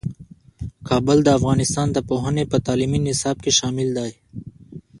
کابل د افغانستان د پوهنې په تعلیمي نصاب کې شامل دی.